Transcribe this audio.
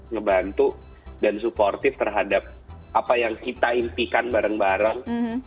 ngebantu dan supportif terhadap apa yang kita impikan bareng bareng